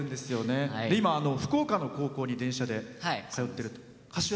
今、福岡の高校に電車で通っていると。